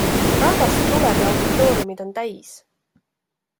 Rahvast tuleb ja auditooriumid on täis.